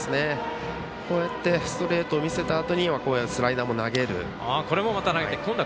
こうやってストレートを見せたあとにこういうスライダーも投げる。